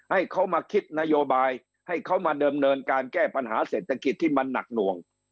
ให้เขามาคิดนโยบายให้เขามาเดิมเนินการแก้ปัญหาเศรษฐกิจที่มันหนักหน่วง